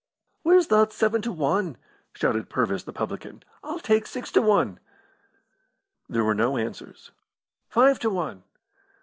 "Where's thot seven to one?" shouted Purvis, the publican. "I'll take six to one!" There were no answers. "Five to one!"